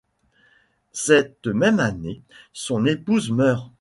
Cette même année, son épouse meurt.